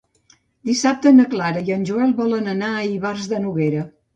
Dissabte na Clara i en Joel volen anar a Ivars de Noguera.